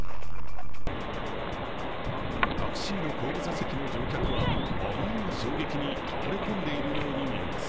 タクシーの後部座席の乗客は、あまりの衝撃に倒れ込んでいるように見えます。